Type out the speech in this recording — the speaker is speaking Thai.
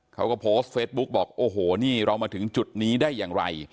เขาก็โพสต์เฟซบุ๊กบอกโอ้โหนี่เรามาถึงจุดนี้ได้อย่างไร